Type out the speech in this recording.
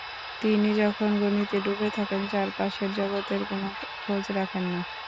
তিনি যখন গণিতে ডুবে থাকেন, চারপাশের জগতের কোনো খোঁজ রাখেন না।